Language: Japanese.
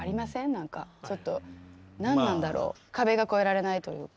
何かちょっと何なんだろう壁が越えられないというか。